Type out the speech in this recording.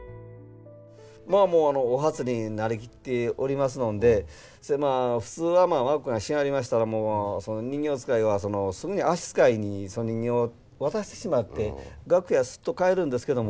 まあもうお初に成りきっておりますのんでまあ普通は幕が閉まりましたらもう人形遣いはすぐに足遣いにその人形を渡してしまって楽屋すっと帰るんですけども。